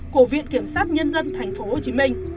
của viện kiểm sát nhân dân tp hcm